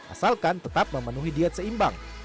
asalkan tetap memenuhi diet seimbang